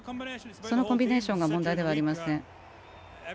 そのコンビネーションが問題ではありません。